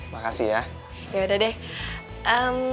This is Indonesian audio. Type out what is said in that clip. makasih ya yaudah deh